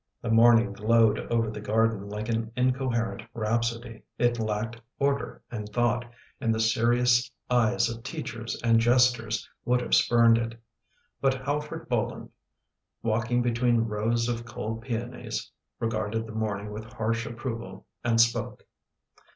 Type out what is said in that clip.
The morning glowed over the garden like an incoherent rhapsody. It lacked order and thought, and the serious eyes of teachers and jesters would have spurned it. But Halfert Bolin, walking between rows of cold peonies, regarded the morning with harsh approval and spoke.